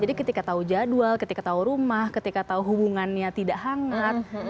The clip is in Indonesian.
jadi ketika tahu jadwal ketika tahu rumah ketika tahu hubungannya tidak hangat